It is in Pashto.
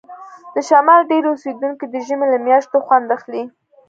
د شمال ډیری اوسیدونکي د ژمي له میاشتو خوند اخلي